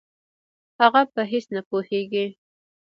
هغه په هېڅ نه پوهېږي.